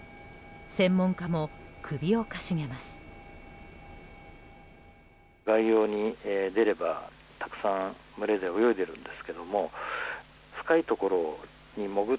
専門家も首をかしげます。